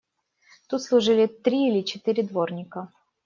Тут служили три или четыре дворника.